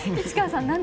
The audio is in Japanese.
市川さん